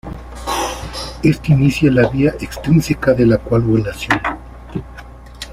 Éste inicia la vía extrínseca de la coagulación.